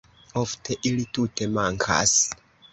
Ofte ili tute mankas.